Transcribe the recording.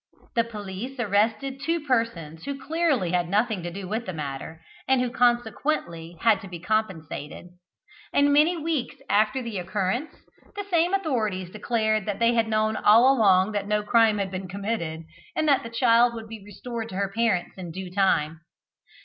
The police arrested two persons who had clearly nothing to do with the matter, and who consequently had to be compensated; and many weeks after the occurrence the same authorities declared that they had known all along that no crime had been committed, and that the child would be restored to her parents in due time.